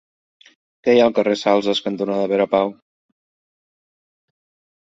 Què hi ha al carrer Salses cantonada Pere Pau?